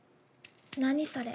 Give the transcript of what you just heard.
何それ。